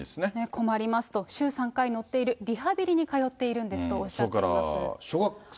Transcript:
困りますと、週３回乗っている、リハビリに通っているんですそれから小学生。